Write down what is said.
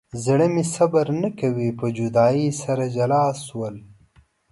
زړه مې صبر نه کوي په جدایۍ سره جلا شول.